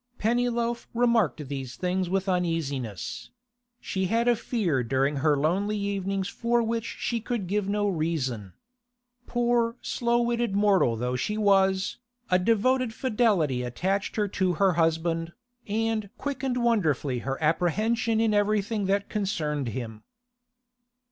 Pennyloaf remarked these things with uneasiness; she had a fear during her lonely evenings for which she could give no reason. Poor slowwitted mortal though she was, a devoted fidelity attached her to her husband, and quickened wonderfully her apprehension in everything that concerned him.